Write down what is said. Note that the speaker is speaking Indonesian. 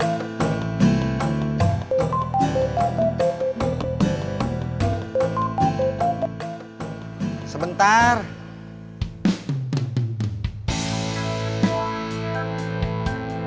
waktu kita punya rasa ganjim